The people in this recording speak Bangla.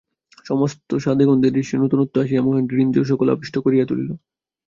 সমস্ত স্বাদে গন্ধে দৃশ্যে নূতনত্ব আসিয়া মহেন্দ্রের ইন্দ্রিয়-সকল আবিষ্ট করিয়া তুলিল।